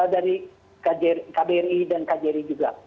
dari kbri dan kjri juga